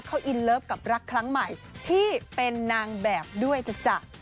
เขาอินเลิฟกับรักครั้งใหม่ที่เป็นนางแบบด้วยจ้ะ